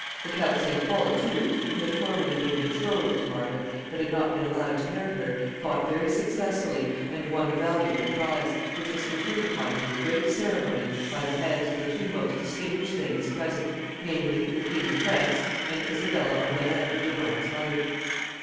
The Count St. Pol, too, who had formerly been betrothed to Margaret, but had not been allowed to marry her, fought very successfully, and won a valuable prize, which was conferred upon him with great ceremony by the hands of the two most distinguished ladies present, namely, the Queen of France and Isabella of Lorraine, the bride's mother.